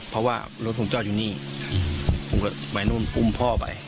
เพราะว่ารถผมจอดอยู่นี่ผมกับวัยรุ่นอุ้มพ่อไป